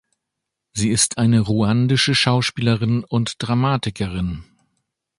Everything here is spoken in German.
Sie ist eine ruandische Schauspielerin und Dramatikerin.